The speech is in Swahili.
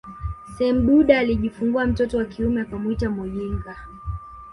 Semduda alijifungua mtoto wa kiume akamuita Muyinga